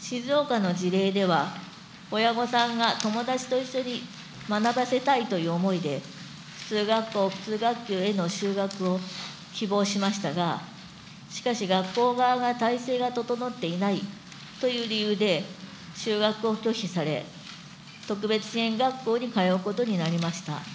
静岡の事例では親御さんが友達と一緒に学ばせたいという思いで、普通学校、普通学級への就学を希望しましたが、しかし、学校側が体制が整っていないという理由で、就学を拒否され、特別支援学校に通うことになりました。